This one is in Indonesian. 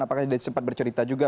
apakah sempat bercerita juga